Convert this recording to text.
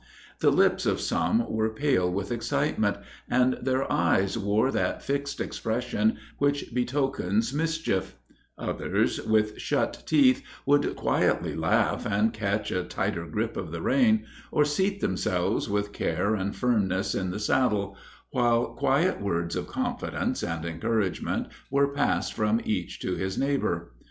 The lips of some were pale with excitement, and their eyes wore that fixed expression which betokens mischief; others, with shut teeth, would quietly laugh, and catch a tighter grip of the rein, or seat themselves with care and firmness in the saddle, while quiet words of confidence and encouragement were passed from each to his neighbor.